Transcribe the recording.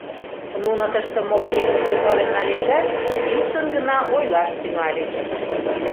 Нуно тыште моло еҥ укем пален нальычат, писын гына ойлаш тӱҥальыч.